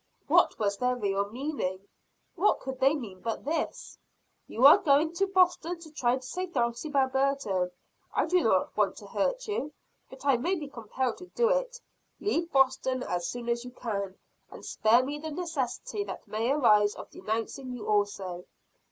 What was their real meaning? What could they mean but this? "You are going to Boston to try to save Dulcibel Burton. I do not want to hurt you; but I may be compelled to do it. Leave Boston as soon as you can, and spare me the necessity that may arise of denouncing you also.